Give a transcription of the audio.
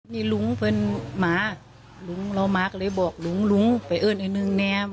นี่ลุงเพื่อนหมาลุงเรามาก็เลยบอกลุงลุงไปเอิ้นไอ้หนึ่งแนม